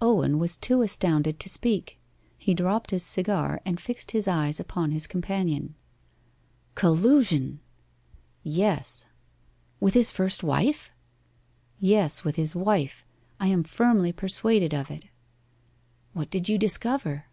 Owen was too astounded to speak. He dropped his cigar, and fixed his eyes upon his companion. 'Collusion!' 'Yes.' 'With his first wife?' 'Yes with his wife. I am firmly persuaded of it.' 'What did you discover?